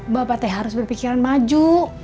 bapak teh harus berpikiran maju